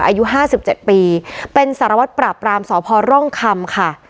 อายุห้าสิบเจ็ดปีเป็นสารวัตรปราปรามสอพร่องคำค่ะ